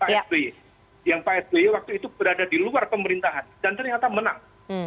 pak sby yang pak sby waktu itu berada di luar pemerintahan dan ternyata menang